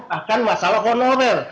bahkan masalah honorer